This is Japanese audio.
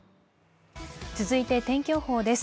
続いて、天気予報です。